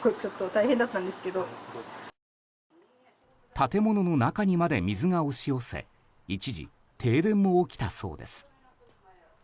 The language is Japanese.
建物の中にまで水が押し寄せ一時、停電も起きたそうです。